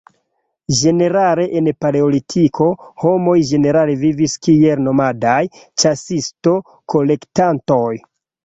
Ĝenerale en Paleolitiko, homoj ĝenerale vivis kiel nomadaj ĉasisto-kolektantoj.